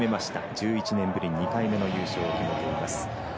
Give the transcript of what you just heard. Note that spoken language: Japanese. １１年ぶり２回目の優勝を決めています。